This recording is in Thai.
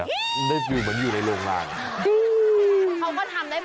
เขาก็ทำได้มาตรฐานไง